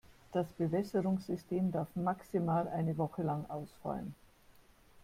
Das Bewässerungssystem darf maximal eine Woche lang ausfallen.